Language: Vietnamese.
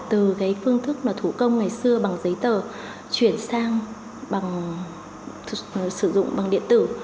từ cái phương thức thủ công ngày xưa bằng giấy tờ chuyển sang bằng sử dụng bằng điện tử